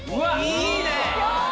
いいね！